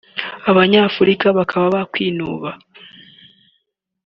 abanyafurika bakaba bakwinuba